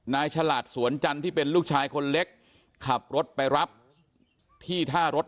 ฉลาดสวนจันทร์ที่เป็นลูกชายคนเล็กขับรถไปรับที่ท่ารถ